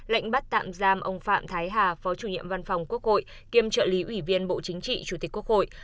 lệnh bắt tạm giam ông phạm thái hà phó chủ nhiệm văn phòng quốc hội kiêm trợ lý ủy viên bộ chính trị chủ tịch quốc hội